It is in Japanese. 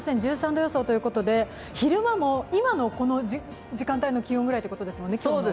１３度予想ということで、昼間も今のこの時間の気温ということですもんね。